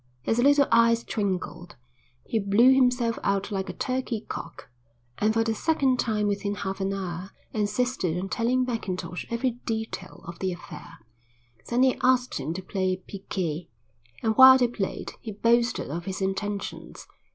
His little eyes twinkled. He blew himself out like a turkey cock, and for the second time within half an hour insisted on telling Mackintosh every detail of the affair. Then he asked him to play piquet, and while they played he boasted of his intentions.